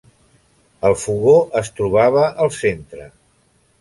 El fogó es trobava al centre.